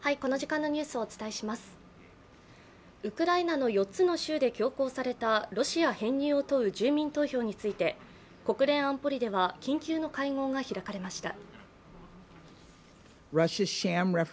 ウクライナの４つの州で強行されたロシア編入を問う住民投票について国連安保理では緊急の会合が開かれました。